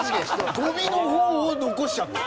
ゴミの方を残しちゃった。